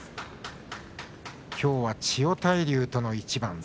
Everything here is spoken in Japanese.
きょうは千代大龍との一番。